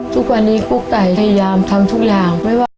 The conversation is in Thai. ทุกวันนี้กุ๊กไตพยายามทำทุกอย่าง